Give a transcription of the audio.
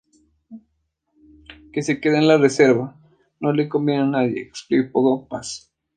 Que se quede en la reserva no le conviene a nadie", explicó Paz.